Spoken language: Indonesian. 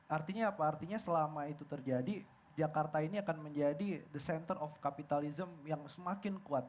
artinya apa artinya selama itu terjadi jakarta ini akan menjadi the center of capitalism yang semakin kuat